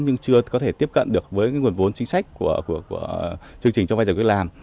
nhưng chưa có thể tiếp cận được với nguồn vốn chính sách của chương trình cho vay giải quyết làm